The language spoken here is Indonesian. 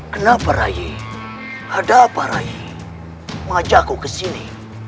kenapa rai ada apa rai mengajakku ke sini